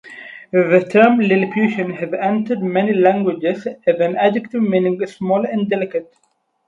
The term "Lilliputian" has entered many languages as an adjective meaning "small and delicate".